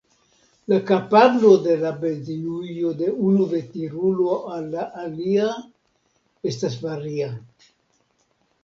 La kapablo de la benzinujo de unu veturilo al alia estas varia.